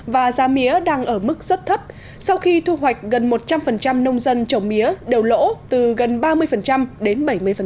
và giá mía đang ở mức rất thấp sau khi thu hoạch gần một trăm linh nông dân trồng mía đều lỗ từ gần ba mươi đến bảy mươi